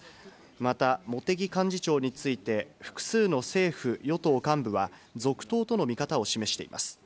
また、茂木幹事長について、複数の政府・与党幹部は、続投との見方を示しています。